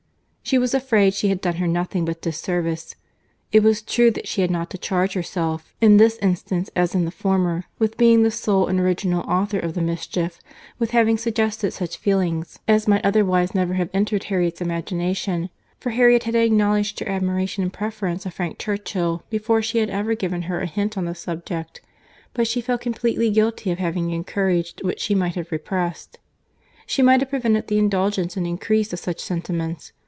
—She was afraid she had done her nothing but disservice.—It was true that she had not to charge herself, in this instance as in the former, with being the sole and original author of the mischief; with having suggested such feelings as might otherwise never have entered Harriet's imagination; for Harriet had acknowledged her admiration and preference of Frank Churchill before she had ever given her a hint on the subject; but she felt completely guilty of having encouraged what she might have repressed. She might have prevented the indulgence and increase of such sentiments.